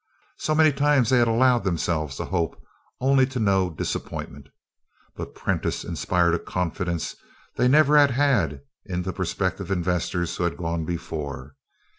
So many times they had allowed themselves to hope only to know disappointment. But Prentiss inspired a confidence they never had had in the prospective investors who had gone before.